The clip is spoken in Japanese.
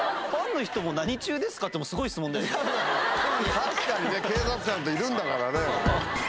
確かにね警察官といるんだからね。